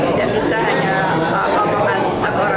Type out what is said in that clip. tidak bisa hanya komponen satu orang